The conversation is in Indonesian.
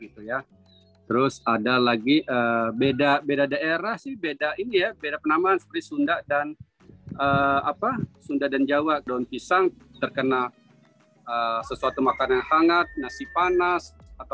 terus ada lagi beda daerah beda penambahan seperti sunda dan jawa daun pisang terkena sesuatu makanan hangat nasi panas